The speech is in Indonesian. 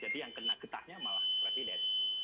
jadi yang kena getahnya malah presiden